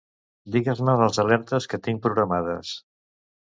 Digues-me les alertes que tinc programades.